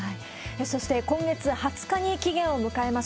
そして今月２０日に期限を迎えます